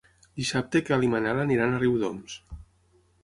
Dissabte en Quel i en Manel aniran a Riudoms.